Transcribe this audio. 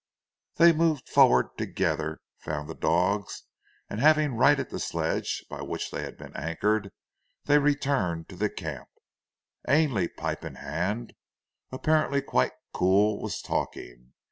They moved forward together, found the dogs, and having righted the sledge by which they had been anchored, they returned to the camp. Ainley, pipe in hand, apparently quite cool, was talking.